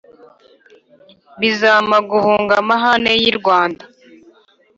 Bizampa guhunga Amahane y’i Rwanda